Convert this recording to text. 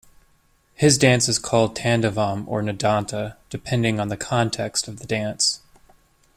His dance is called Tandavam or Nadanta, depending on the context of the dance.